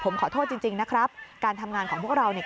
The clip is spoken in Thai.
ผมขอโทษจริงนะครับการทำงานของพวกเราเนี่ย